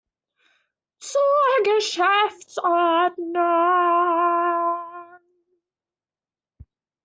Zur Geschäftsordnung.